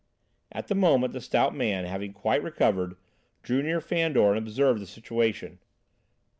At the moment, the stout man, having quite recovered, drew near Fandor and observed the situation.